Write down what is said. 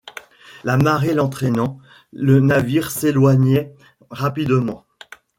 La marée l’entraînant, le navire s’éloignait rapidement.